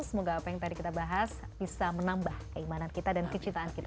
semoga apa yang tadi kita bahas bisa menambah keimanan kita dan kecintaan kita